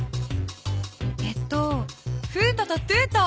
えっとフートとトゥート。